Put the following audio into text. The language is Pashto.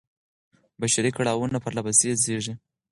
بشري کړاوونه پرله پسې زېږي.